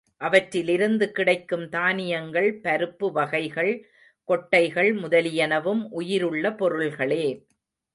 அவற்றிலிருந்து கிடைக்கும் தானியங்கள் பருப்பு வகைகள் கொட்டைகள் முதலியனவும் உயிருள்ள பொருள்களே.